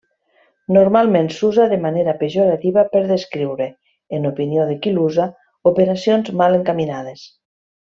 Normalment s'usa de manera pejorativa per descriure, en opinió de qui l'usa, operacions mal encaminades.